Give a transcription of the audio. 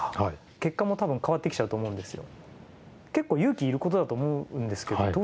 結果も多分変わってきちゃうと思うんですよ。